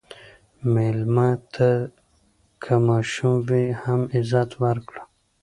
مېلمه ته که ماشوم وي، هم عزت ورکړه.